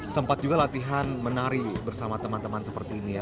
sempat juga latihan menari bersama teman teman seperti ini ya